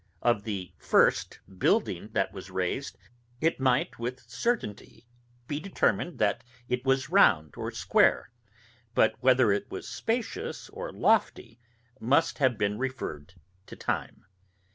Of the first building that was raised, it might be with certainty determined that it was round or square; but whether it was spacious or lofty must have been referred to time.